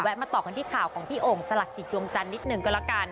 มาต่อกันที่ข่าวของพี่โอ่งสลักจิตดวงจันทร์นิดหนึ่งก็แล้วกัน